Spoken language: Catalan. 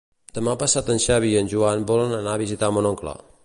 Demà passat en Xavi i en Joan volen anar a visitar mon oncle.